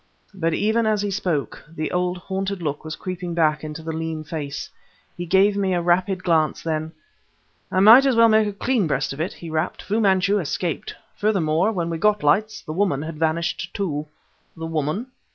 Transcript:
But, even as he spoke, the old, haunted look was creeping back into the lean face. He gave me a rapid glance; then: "I might as well make a clean breast of it," he rapped. "Fu Manchu escaped! Furthermore, when we got lights, the woman had vanished, too." "The woman!"